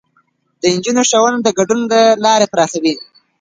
د نجونو ښوونه د ګډون لارې پراخوي.